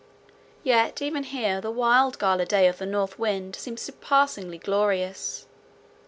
Yet even here the wild gala day of the north wind seemed surpassingly glorious.